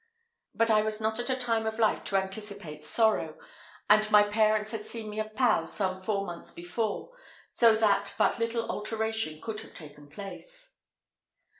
But I was not at a time of life to anticipate sorrow; and my parents had seen me at Pau some four months before, so that but little alteration could have taken place.